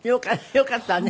よかったわね。